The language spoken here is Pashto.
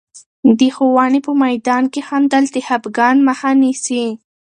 د ښوونې په میدان کې خندل، د خفګان مخه نیسي.